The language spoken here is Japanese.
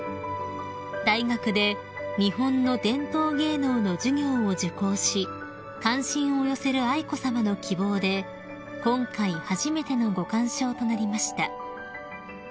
［大学で日本の伝統芸能の授業を受講し関心を寄せる愛子さまの希望で今回初めてのご鑑賞となりました］